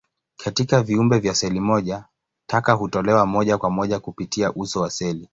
Katika viumbe vya seli moja, taka hutolewa moja kwa moja kupitia uso wa seli.